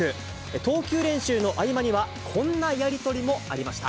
投球練習の合間には、こんなやり取りもありました。